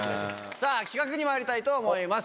さぁ企画にまいりたいと思います